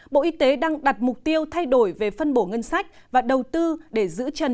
bộ y tế đang đặt mục tiêu thay đổi về phân bổ ngân sách và đầu tư để giữ chân